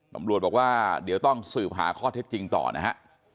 ตำรวจบอกว่าเดี๋ยวต้องสืบหาข้อเท็จจริงต่อนะฮะ